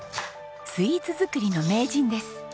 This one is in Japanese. スイーツ作りの名人です。